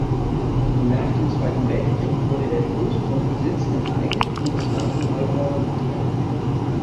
Nach dem Zweiten Weltkrieg wurde der Großgrundbesitz enteignet und das Land an Neubauern verteilt.